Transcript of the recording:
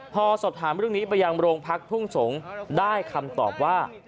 พอสอบถามเรื่องนี้ไปยังโรงพักทุ่งสงศ์ได้คำตอบว่า